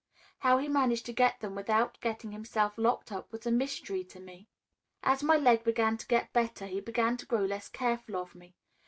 How he managed to get them without getting himself locked up was a mystery to me. "As my leg began to get better, he began to grow less careful of me.